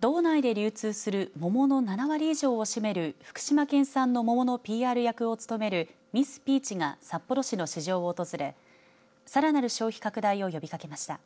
道内で流通する桃の７割以上を占める福島県産の桃のＰＲ役を務めるミスピーチが札幌市の市場を訪れさらなる消費拡大を呼びかけました。